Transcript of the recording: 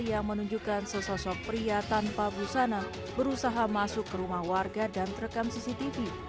yang menunjukkan sesosok pria tanpa busana berusaha masuk ke rumah warga dan terekam cctv